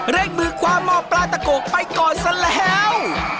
มือความหม้อปลาตะโกะไปก่อนซะแล้ว